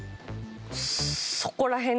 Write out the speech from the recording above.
そこら辺。